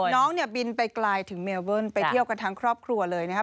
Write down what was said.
น้องเนี่ยบินไปไกลถึงเมลเบิ้ลไปเที่ยวกันทั้งครอบครัวเลยนะครับ